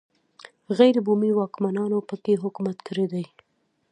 غیر بومي واکمنانو په کې حکومت کړی دی